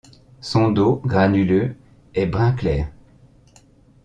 Son dos, granuleux, est brun clair.